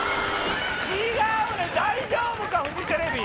違うねん大丈夫かフジテレビ。